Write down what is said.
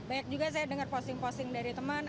banyak juga saya dengar posting posting dari teman